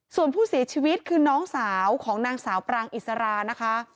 ส่วนผู้เสียชีวิตคือน้องสาวของนางสาวปรางอิสรานะคะ